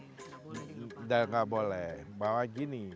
pembicara lima puluh sembilan dan nggak boleh bahwa gini